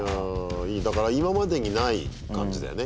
だから今までにない感じだよね。